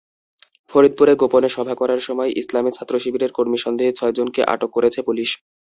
ফরিদপুরে গোপনে সভা করার সময় ইসলামী ছাত্রশিবিরের কর্মী সন্দেহে ছয়জনকে আটক করেছে পুলিশ।